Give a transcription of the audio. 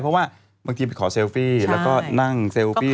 เพราะว่าบางทีไปขอเซลฟี่แล้วก็นั่งเซลฟี่